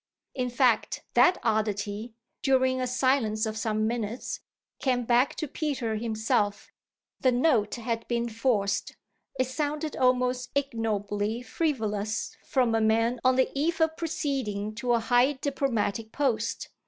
In fact that oddity, during a silence of some minutes, came back to Peter himself: the note had been forced it sounded almost ignobly frivolous from a man on the eve of proceeding to a high diplomatic post.